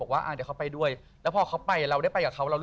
คนอัลฟรานน์คนเก่เลย